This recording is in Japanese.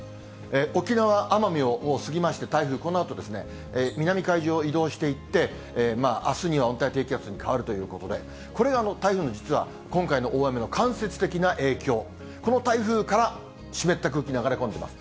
沖縄・奄美をもう過ぎまして、このあと、南海上を移動していって、あすには温帯低気圧に変わるということで、これが台風の実は今回の大雨の間接的な影響、この台風から湿った空気、流れ込んでいます。